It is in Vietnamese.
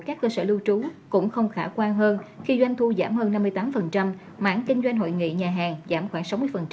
các cơ sở lưu trú cũng không khả quan hơn khi doanh thu giảm hơn năm mươi tám mảng kinh doanh hội nghị nhà hàng giảm khoảng sáu mươi